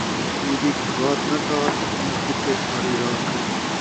بی بی کوں ہات ناں تات، میاں پٹے ساری رات